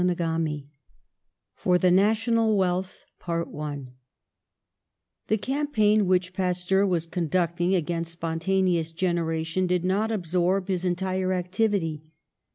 CHAPTER IV FOR THE NATIONAL WEALTH THE campaign which Pasteur was conduct ing against spontaneous generation did not absorb his entire activity.